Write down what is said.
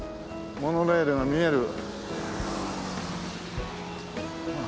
モノレールが見える。